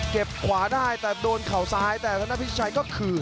เก็บขวาได้แต่โดนเขาซ้ายแต่ทางหน้าพี่ชัยก็คืน